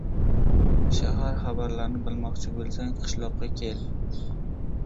• Shahar xabarlarini bilmoqchi bo‘lsang, qishloqqa kel.